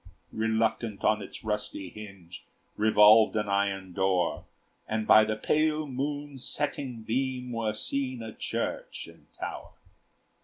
Reluctant on its rusty hinge Revolved an iron door, And by the pale moon's setting beam Were seen a church and tower.